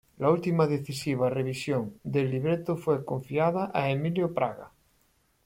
La última y decisiva revisión del libreto fue confiada a Emilio Praga.